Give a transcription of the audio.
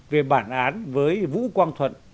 về bản án với vũ quang thuận